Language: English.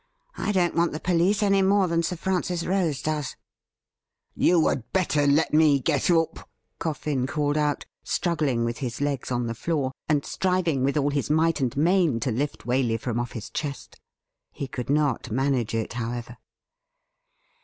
I don't want the police any more than Sir Francis Rose does.' 'You had better let me get up,' Coffin called out, struggling with his legs on the floor, and striving with all his might and main to lift Waley from off his chest. He could not manage it, however.